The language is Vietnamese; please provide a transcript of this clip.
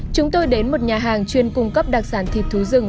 chúng tôi đến một nhà hàng chuyên cung cấp đặc sản thịt thú rừng